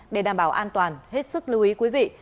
để đảm bảo an toàn hết sức lưu ý quý vị